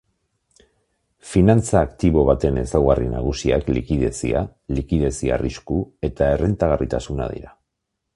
Finantza aktibo baten ezaugarri nagusiak likidezia, likidezia-arrisku eta errentagarritasuna dira.